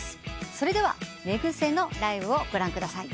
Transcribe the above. それではねぐせ。のライブをご覧ください。